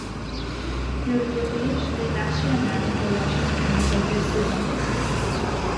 Il dirige les Nationals de Washington pour deux saisons.